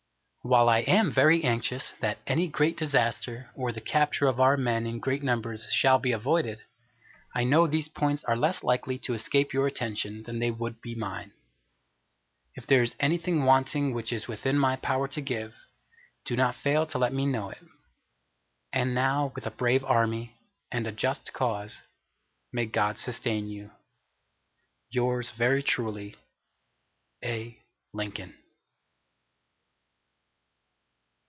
While I am very anxious that any great disaster, or the capture of our men in great numbers, shall be avoided, I know these points are less likely to escape your attention than they would be mine. If there is anything wanting which is within my power to give, do not fail to let me know it. And now with a brave Army, and a just cause, may God sustain you. Yours very truly, A. LINCOLN.